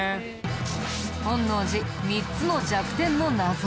本能寺３つの弱点の謎。